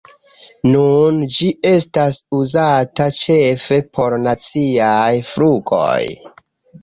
Nun ĝi estas uzata ĉefe por naciaj flugoj.